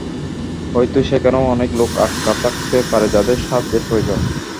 হয়তো সেখানেও অনেক লোক আটকা থাকতে পারে যাদের সাহায্যের প্রয়োজন।